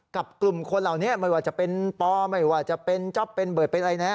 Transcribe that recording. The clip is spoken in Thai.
กับกลุ่มคนเหล่านี้ไม่ว่าจะเป็นปไม่ว่าจะเป็นจเป็นเบเป็นอะไรแน่